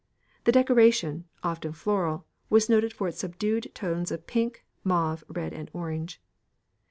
The decoration, often floral, was noted for its subdued tones of pink, mauve, red, and orange.